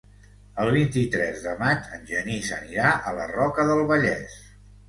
El vint-i-tres de maig en Genís anirà a la Roca del Vallès.